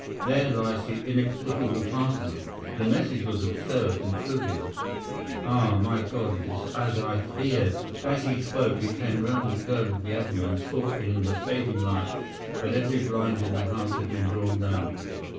There lies the inexplicable part of it. The message was absurd and trivial. Ah, my God, it is as I feared!' "As he spoke we came round the curve of the avenue, and saw in the fading light that every blind in the house had been drawn down.